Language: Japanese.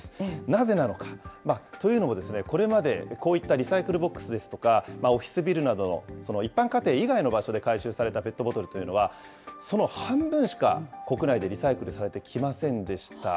なぜなのか。というのも、これまでこういったリサイクルボックスですとか、オフィスビルなどの一般家庭以外の場所で回収されたペットボトルというのは、その半分しか国内でリサイクルされてきませんでした。